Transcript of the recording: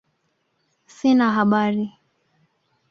Sina habari